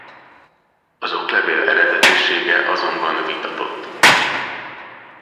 Az oklevél eredetisége azonban vitatott.